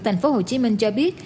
thành phố hồ chí minh cho biết